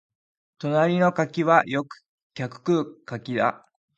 隣の柿はよく客食う柿だ